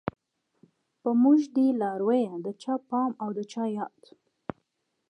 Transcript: په موږ دی لارويه د چا پام او د چا ياد